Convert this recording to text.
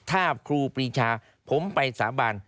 ถ้าครูปรีชาผมไปสาบาน